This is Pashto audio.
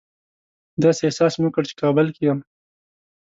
داسې احساس مې وکړ چې کابل کې یم.